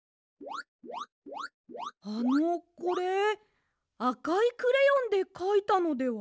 あのこれあかいクレヨンでかいたのでは？